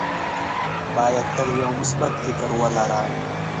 باید تل یو مثبت فکر ولره.